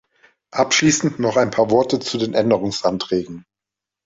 Abschließend noch ein paar Worte zu den Änderungsanträgen.